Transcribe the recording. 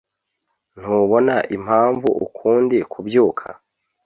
ntubona impamvu ukundi kubyuka